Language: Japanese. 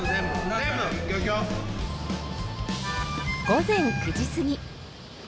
午前９時すぎ。